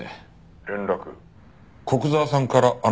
古久沢さんからあなたに？